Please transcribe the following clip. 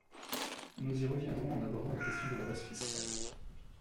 Nous y reviendrons en abordant la question de la base fiscale.